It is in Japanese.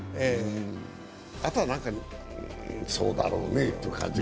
あとは何か、そうだろうねという感じで。